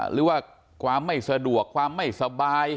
หรือว่าความไม่สะดวกความไม่สบาย